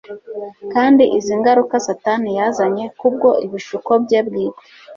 kandi izi ngaruka satani yazanye kubwo ibishuko bye bwite